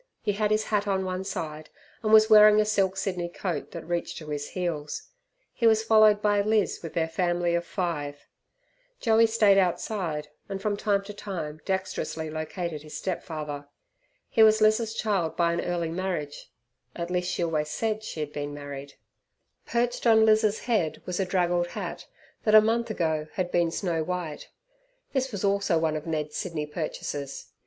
He had his hat on one side, and was wearing a silk Sydney coat that reached to his heels. He was followed by Liz with their family of five Joey stayed outside, and from time to time dexterously located his step father. He was Liz's child by an early marriage at least, she always said she had been married. Perched on Liz's head was a draggled hat that a month ago had been snow white. This also was one of Ned's Sydney purchases.